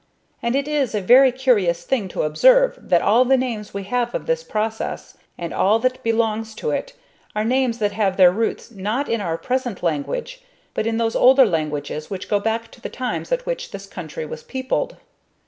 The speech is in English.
And it is a very curious thing to observe that all the names we have of this process, and all that belongs to it, are names that have their roots not in our present language, but in those older languages which go back to the times at which this country was peopled.